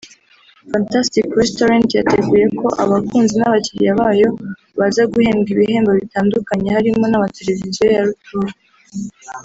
Fantastic Restaurant yateguye ko abakunzi n’abakiriya bayo baza guhembwa ibihembo bitandukanye harimo n’amateleviziyo ya rutura